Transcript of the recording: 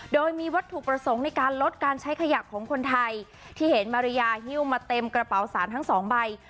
โดยมีวัตถุประสงค์ในการลดการใช้ขยะของคนไทยที่เห็นมาริยาฮิ้วมาเต็มกระเป๋าสารทั้งสองใบ